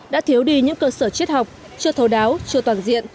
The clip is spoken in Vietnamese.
đã thiếu đi những cơ sở triết học chưa thấu đáo chưa toàn diện